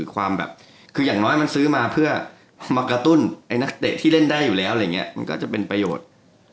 คืออย่างน้อยมันซื้อมาเพื่อมากระตุ้นนักเตะที่เล่นได้อยู่แล้วมันก็จะเป็นประโยชน์